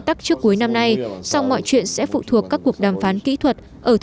tắc trước cuối năm nay sau mọi chuyện sẽ phụ thuộc các cuộc đàm phán kỹ thuật